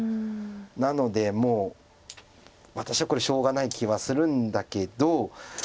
なのでもう私はこれしょうがない気はするんだけど。